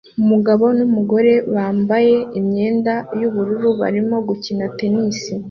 Umugabo numugore bambaye imyenda yubururu barimo gukina tennis